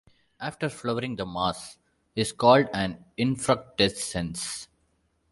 After flowering the mass is called an infructescence.